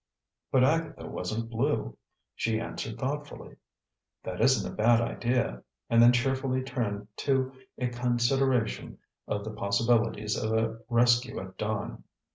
But Agatha wasn't blue. She answered thoughtfully: "That isn't a bad idea," and then cheerfully turned to a consideration of the possibilities of a rescue at dawn.